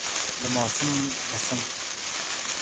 Lamoosam lasung.